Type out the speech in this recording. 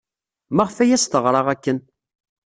Maɣef ay as-teɣra akken?